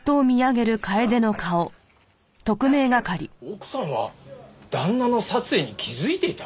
奥さんは旦那の殺意に気づいていた？